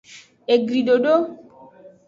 Eglidodo.